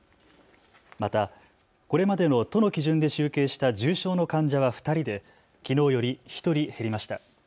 また、これまでの都の基準で集計した重症の患者は２人できのうより１人減りました。